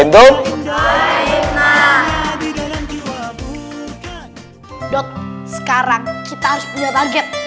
dot sekarang kita harus punya target